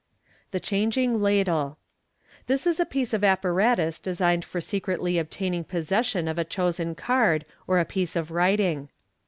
The Changing Ladlb. — This is a piece of apparatus designed for secretly obtaining possession of a chosen card or piece of writing.